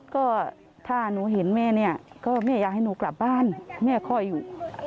ก็ถ้าหนูเห็นแม่เนี่ยก็แม่อยากให้หนูกลับบ้านแม่คอยอยู่